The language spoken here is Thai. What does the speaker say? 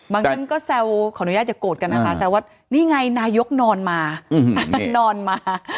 งั้นก็แซวขออนุญาตอย่าโกรธกันนะคะแซวว่านี่ไงนายกนอนมานอนมา